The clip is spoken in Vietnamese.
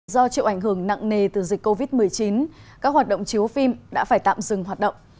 do chịu ảnh hưởng nặng nề từ dịch covid một mươi chín các hoạt động chiếu phim đã phải tạm dừng hoạt động